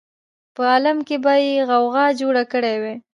په عالم کې به یې غوغا جوړه کړې وای.